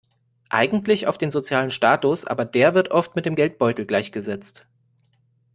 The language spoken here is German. Eigentlich auf den sozialen Status, aber der wird oft mit dem Geldbeutel gleichgesetzt.